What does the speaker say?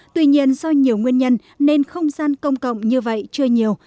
tuy nhiên do nhiều nguyên nhân nên không gian công cộng như vậy chưa nhiều